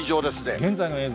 現在の映像。